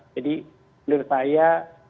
jadi menurut saya